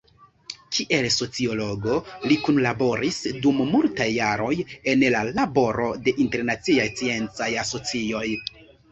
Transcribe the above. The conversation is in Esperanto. Kiel sociologo, li kunlaboris dum multaj jaroj en la laboro de internaciaj sciencaj asocioj.